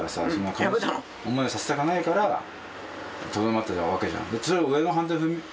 悲しい思いをさせたくないからとどまってたわけじゃん。